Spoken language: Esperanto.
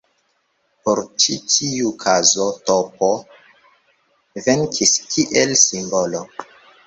Por ĉi tiu kazo tP venkis kiel simbolo.